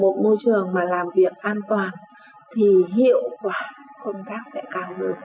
một môi trường mà làm việc an toàn thì hiệu quả công tác sẽ cao hơn